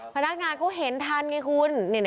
พนักงานเขาเห็นทันไงคุณ